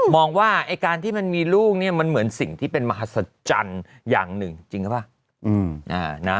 มองว่าไอ้การที่มันมีลูกเนี่ยมันเหมือนสิ่งที่เป็นมหัศจรรย์อย่างหนึ่งจริงหรือเปล่า